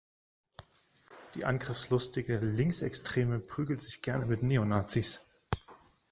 Die angriffslustige Linksextreme prügelt sich gerne mit Neonazis.